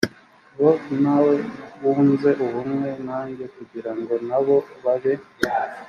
bo nawe wunze ubumwe nanjye kugira ngo na bo babe